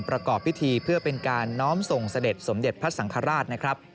ประกอบพิธีเพื่อเป็นการน้อมส่งเสด็จสมเด็จพระสังฆราชนะครับ